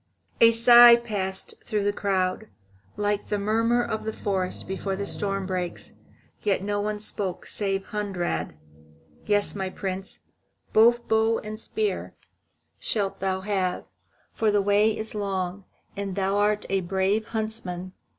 A sigh passed through the crowd, like the murmur of the forest before the storm breaks. Yet no one spoke save Hunrad: "Yes, my Prince, both bow and spear shalt thou have, for the way is long, and thou art a brave huntsman.